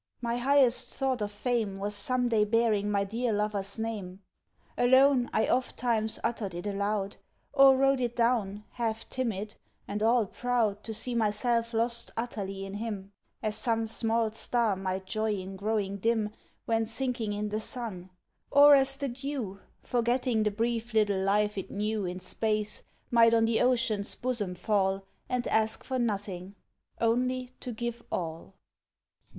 My highest thought of fame Was some day bearing my dear lover's name. Alone, I ofttimes uttered it aloud, Or wrote it down, half timid, and all proud To see myself lost utterly in him: As some small star might joy in growing dim When sinking in the sun; or as the dew, Forgetting the brief little life it knew In space, might on the ocean's bosom fall And ask for nothing—only to give all.